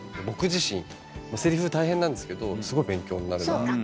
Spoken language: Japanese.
僕自身セリフ大変なんですけどすごい勉強になるなあ。